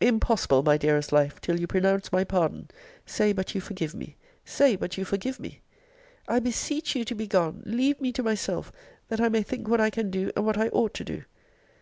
Impossible, my dearest life, till you pronounce my pardon! Say but you forgive me! say but you forgive me! I beseech you to be gone! leave me to myself, that I may think what I can do, and what I ought to do.